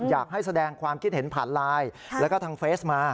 อยากให้แสดงความคิดเห็นผ่านไลน์แล้วก็ทางเฟสมา